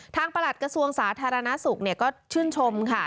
ประหลัดกระทรวงสาธารณสุขก็ชื่นชมค่ะ